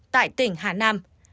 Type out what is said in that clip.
tại tỉnh hà nam